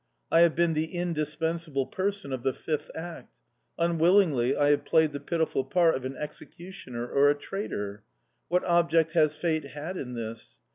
I have been the indispensable person of the fifth act; unwillingly I have played the pitiful part of an executioner or a traitor. What object has fate had in this?...